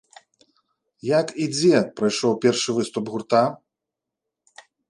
Як і дзе прайшоў першы выступ гурта?